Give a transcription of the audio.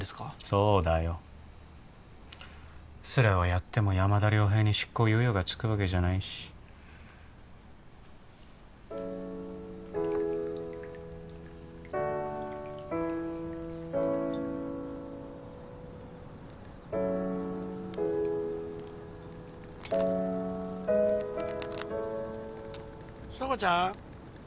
そうだよそれをやっても山田遼平に執行猶予がつくわけじゃないし硝子ちゃん